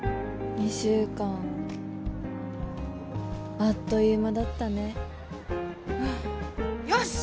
２週間あっという間だったねよしっ！